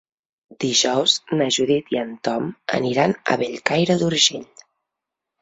Dijous na Judit i en Tom aniran a Bellcaire d'Urgell.